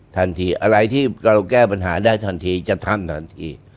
ทันทีอะไรที่เราแก้ปัญหาได้ทันทีจะทำทันที